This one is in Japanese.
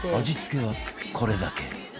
味付けはこれだけ